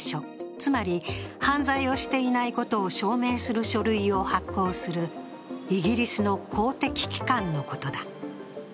つまり犯罪をしていないことを証明する書類を発行するイギリスの公的機関のことだ。